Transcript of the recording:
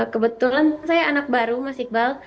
kebetulan saya anak baru mas iqbal